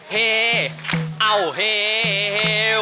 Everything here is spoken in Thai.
เฮ้เอ้าเห้ว